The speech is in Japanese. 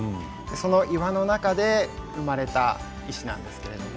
その岩の中で生まれた石なんです。